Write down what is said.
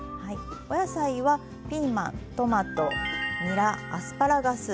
お野菜はピーマントマトにらアスパラガス。